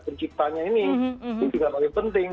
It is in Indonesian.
penciptanya ini juga paling penting